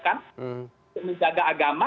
untuk menjaga agama